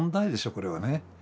これはね。